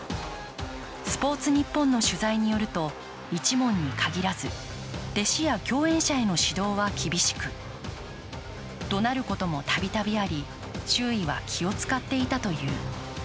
「スポーツニッポン」の取材によると、一門に限らず、弟子や共演者への指導は厳しくどなることもたびたびあり周囲は気を遣っていたという。